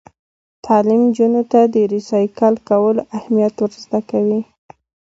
تعلیم نجونو ته د ریسایکل کولو اهمیت ور زده کوي.